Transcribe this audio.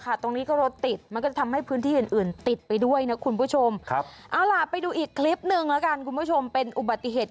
แน่นอนละก็รถติดทำให้พื้นที่อื่นติดไปด้วยนะคุณผู้ชมเอาล่ะไปดูอีกคลิปหนึ่งกันคุณผู้ชมเป็นอุบัติเหตุ